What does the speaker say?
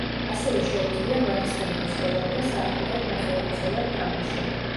ასევე შეუძლია მარცხენა მცველად და საყრდენ ნახევარმცველად თამაში.